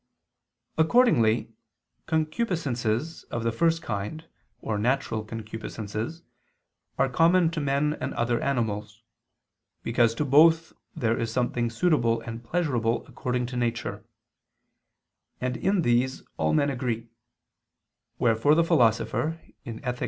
Accordingly concupiscences of the first kind, or natural concupiscences, are common to men and other animals: because to both is there something suitable and pleasurable according to nature: and in these all men agree; wherefore the Philosopher (Ethic.